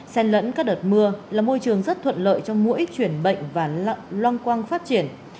sen lẫn các đợt mưa là môi trường rất thuận lợi cho mũi chuyển bệnh và long quang phát triển